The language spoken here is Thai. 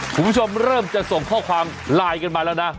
คุณผู้ชมเริ่มจะส่งข้อความไลน์กันมาแล้วนะ